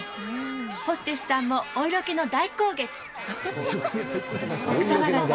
ホステスさんもお色気の大攻撃。